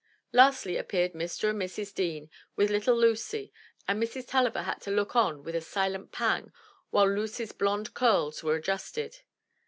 Lastly, appeared Mr. and Mrs. Deane with little Lucy, and Mrs. Tulliver had to look on with a silent pang while Lucy's blond curls were adjusted.